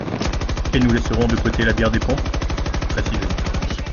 Et nous laisserons de côté la bière des pompes ? Précisément.